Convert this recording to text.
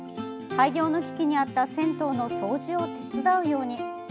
廃業の危機にあった銭湯の掃除を手伝うように。